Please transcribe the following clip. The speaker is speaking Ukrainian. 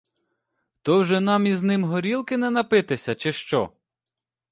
То вже нам із ним горілки не напитися чи що?